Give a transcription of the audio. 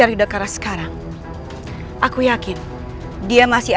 itu presented tanpa katanya